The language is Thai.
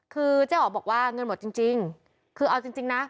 คือเจ๊อ๋อบอกว่าเงินหมดจริงคือเอาจริงนะ